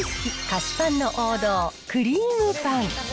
菓子パンの王道、クリームパン。